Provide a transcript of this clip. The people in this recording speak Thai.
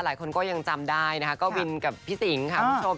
หลายคนก็ยังจำได้นะคะก็วินกับพี่สิงค่ะคุณผู้ชม